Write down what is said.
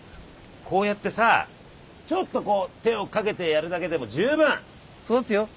こうやってさちょっとこう手をかけてやるだけでもじゅうぶん育つよ。